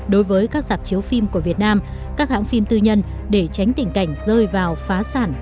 đối với các sạp chiếu phim của việt nam các hãng phim tư nhân để tránh tình cảnh rơi vào phá sản